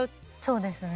そうですね。